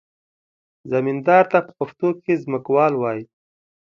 زمیندار ته په پښتو کې ځمکوال وایي.